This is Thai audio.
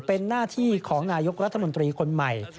เป็นหน้าที่ของนายกรัฐมนตรีคนใหม่